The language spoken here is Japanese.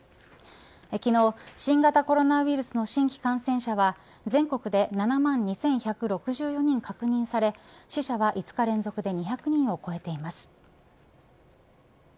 昨日、新型コロナウイルスの新規感染者は全国で７万２１６４人確認され死者は５日連続で２００人を超えています。